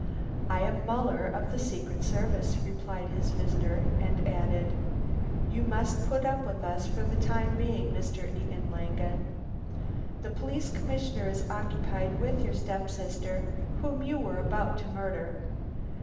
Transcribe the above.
"I am Muller of the Secret Service," replied his visitor and added, "You must put up with us for the time being, Mr. Egon Langen. The police commissioner is occupied with your step sister, whom you were about to murder."